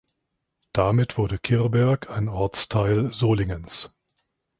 Damit wurde Kirberg ein Ortsteil Solingens.